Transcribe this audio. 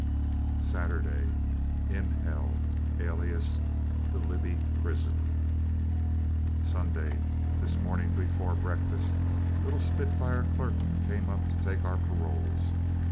Saturday. In hell, alias the Libby prison. Sunday. This morning before breakfast, little spitfire clerk came up to take our paroles.